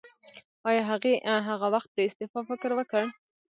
ایا هغې هغه وخت د استعفا فکر وکړ؟